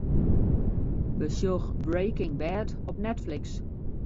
Besjoch 'Breaking Bad' op Netflix.